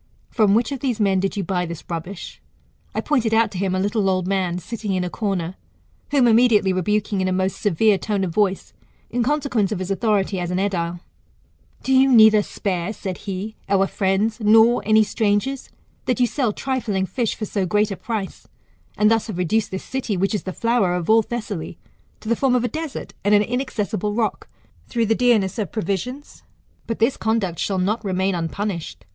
From which of these men did you buy this rubbish ? I pointed out to him a little old man sitting in a corner, whom immediately rebuking in a most severe tone of voice, in consequence of his authority as an edile. Do you neither spare, said he, our friends, nor any strangers, that you sell trifling fish for so great a price, and thus have reduced this city, which is the flower of all Thessaly, to the form of a desert, and an inaccessible rock, through the deamess of provisions ? But this conduct shall not remain unpunished.